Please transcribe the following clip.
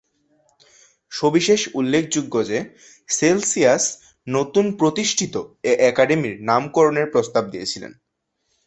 সবিশেষ উল্লেখযোগ্য যে, সেলসিয়াস নতুন প্রতিষ্ঠিত এ একাডেমীর নামকরণের প্রস্তাব দিয়েছিলেন।